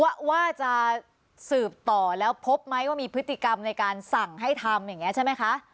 ว่าจะสืบต่อแล้วพบไหมว่ามีพฤติกรรมในการสั่งให้ทำอย่างนี้ใช่ไหมคะ